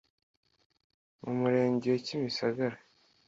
mu Murenge wa Kimisagara